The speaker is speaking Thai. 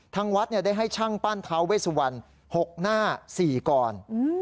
ทางวัดได้ให้ช่างปั้นท้าเวสวัน๖หน้า๔กร